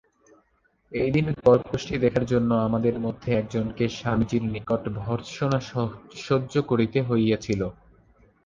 এই দিন করকোষ্ঠী দেখার জন্য আমাদের মধ্যে একজনকে স্বামীজীর নিকট ভর্ৎসনা সহ্য করিতে হইয়াছিল।